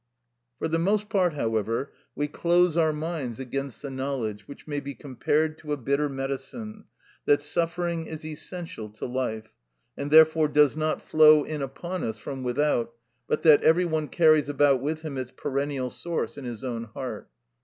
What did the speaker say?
_" For the most part, however, we close our minds against the knowledge, which may be compared to a bitter medicine, that suffering is essential to life, and therefore does not flow in upon us from without, but that every one carries about with him its perennial source in his own heart.